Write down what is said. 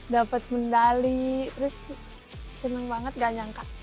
dapet mendali terus seneng banget gak nyangka